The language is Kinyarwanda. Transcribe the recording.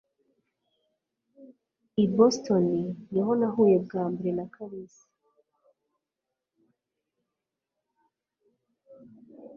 i boston niho nahuye bwa mbere na kalisa